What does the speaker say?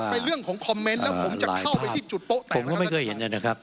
เป็นเรื่องของคอมเมนต์แล้วผมจะเข้าไปที่จุดโป๊แตกผมก็ไม่เคยเห็นนะครับ